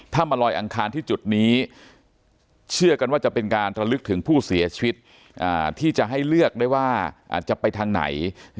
ถ้ามาลอยอังคารที่จุดนี้เชื่อกันว่าจะเป็นการระลึกถึงผู้เสียชีวิตที่จะให้เลือกได้ว่าจะไปทางไหน